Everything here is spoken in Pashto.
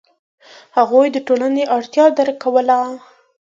هغوی د ټولنې اړتیا درک کوله.